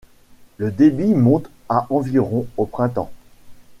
Le débit monte à environ au printemps.